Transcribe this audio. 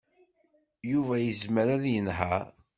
Yuba yezmer ad yenheṛ.